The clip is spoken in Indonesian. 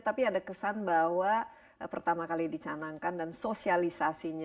tapi ada kesan bahwa pertama kali dicanangkan dan sosialisasinya